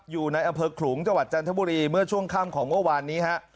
อยู่ในอำเภอขลุงจังหวัดจันทบุรีเมื่อช่วงค่ำของเมื่อวานนี้ฮะ